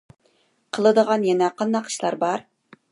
قىلىدىغان يەنە قانداق ئىشلار بار؟